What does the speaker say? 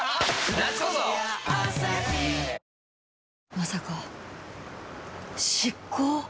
まさか執行？